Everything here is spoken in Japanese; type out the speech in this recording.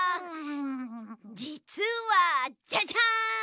じつはジャジャン！